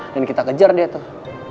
dan kita kejar deh tuh